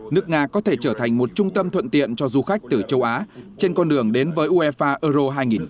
nước nga có thể trở thành một trung tâm thuận tiện cho du khách từ châu á trên con đường đến với uefa euro hai nghìn hai mươi